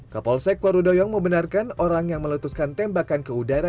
kapolsek warudoyong membenarkan orang yang meletuskan tembakan ke udara